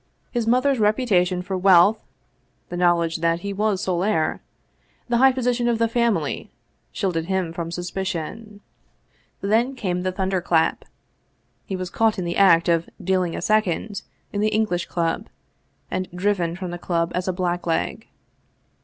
His mother's repu 214 Vsevolod Vladimir ovitch Krestovski tation for wealth, the knowledge that he was her sole heir, the high position of the family, shielded him from suspicion. Then came the thunderclap. He was caught in the act of " dealing a second " in the English Club, and driven from the club as a blackleg.